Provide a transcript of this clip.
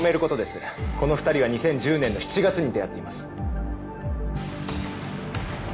この２人は２０１０年の７月に出会っています。